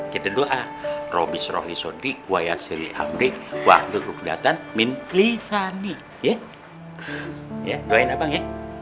kita doa robis rohli shodri wa yasiri abdi wa'adhu grukhdatan min flithani ya ya doain abang